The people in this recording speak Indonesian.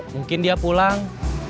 mungkin dia pulang